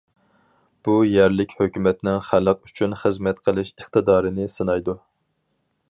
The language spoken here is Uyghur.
بۇ يەرلىك ھۆكۈمەتنىڭ خەلق ئۈچۈن خىزمەت قىلىش ئىقتىدارىنى سىنايدۇ.